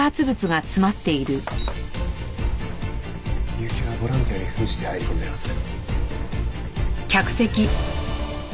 結城はボランティアに扮して入り込んでいるはず。